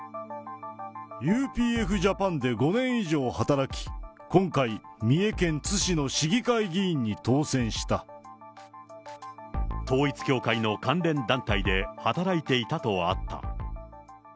ＵＰＦージャパンで５年以上働き、今回、三重県津市の市議会統一教会の関連団体で働いていたとあった。